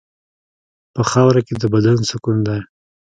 په خاوره کې د بدن سکون دی.